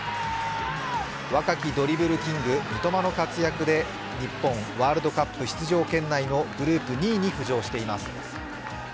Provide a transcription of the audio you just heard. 若きドリブルキング・三笘の活躍でニッポン、ワールドカップ出場圏内のグループ２位に浮上しています。